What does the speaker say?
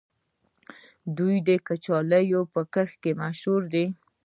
دوی د کچالو په کښت مشهور دي.